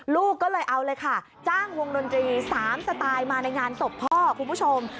ลูกก็เลยเอาเลยค่ะจ้างวงดนตรี๓สไตล์มาในงานศพพ่อคุณผู้ชม